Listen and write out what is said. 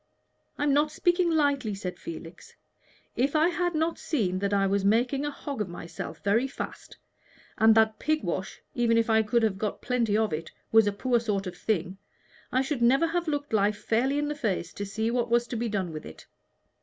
"I'm not speaking lightly," said Felix. "If I had not seen that I was making a hog of myself very fast, and that pig wash, even if I could have got plenty of it, was a poor sort of thing, I should never have looked life fairly in the face to see what was to be done with it.